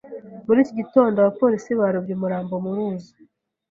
Muri iki gitondo, abapolisi barobye umurambo mu ruzi.